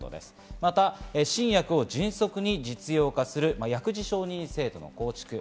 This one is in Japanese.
また新薬を迅速に実用化する薬事承認制度の構築。